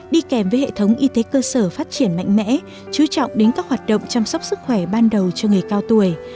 đi kèm với hệ thống y tế cơ sở phát triển mạnh mẽ chú trọng đến các hoạt động chăm sóc sức khỏe ban đầu cho người cao tuổi